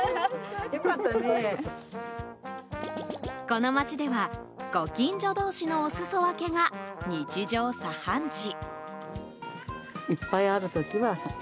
この町ではご近所同士のお裾分けが日常茶飯事。